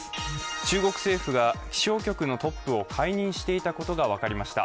中国政府が気象局のトップを解任していたことが分かりました。